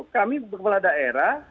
kami kepala daerah